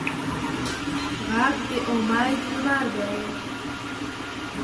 غږ د امید لمر دی